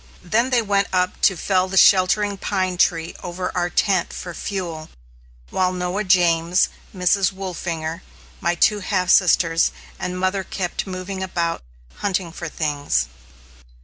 Then they went up to fell the sheltering pine tree over our tent for fuel; while Noah James, Mrs. Wolfinger, my two half sisters, and mother kept moving about hunting for things.